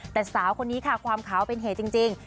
แต่สาวคนนี้ค่ะความขาวเป็นเหตุจริง